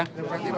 terima kasih pak